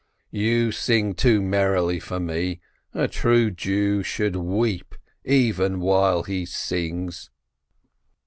You sing too merrily for me — a true Jew should weep even while he sings."